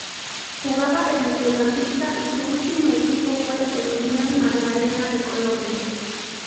Jugaba de mediocampista y su último equipo fue el Unión Magdalena de Colombia.